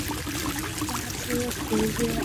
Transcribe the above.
拉兹奎耶。